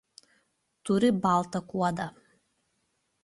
Turi baltą kuodą.